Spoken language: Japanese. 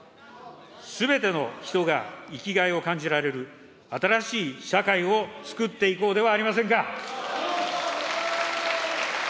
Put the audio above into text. すべての人が生きがいを感じられる新しい社会をつくっていこうではありませんか。